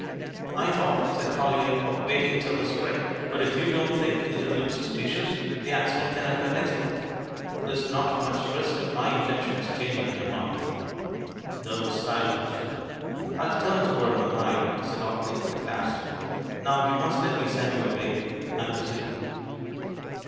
"I thought," said ColHer, "of waiting till the spring; but if you don't think it'd look suspicious, the accident can occur next month. There's not much risk of my intentions changing in a month!" There was silence. "I'll turn it over in my mind," said Orkney, at last. "Now you must let me send you away; I'm busy."